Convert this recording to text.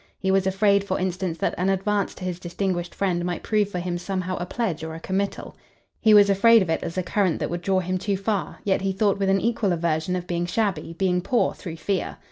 He was afraid for instance that an advance to his distinguished friend might prove for him somehow a pledge or a committal. He was afraid of it as a current that would draw him too far; yet he thought with an equal aversion of being shabby, being poor, through fear.